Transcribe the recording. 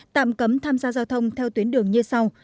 tạm cấm tham gia giao thông theo tuyến đường như sau